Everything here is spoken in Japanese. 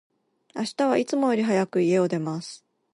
明日は、いつもより早く、家を出ます。